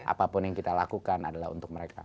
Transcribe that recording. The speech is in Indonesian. apapun yang kita lakukan adalah untuk mereka